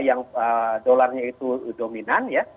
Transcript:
yang dolarnya itu dominan ya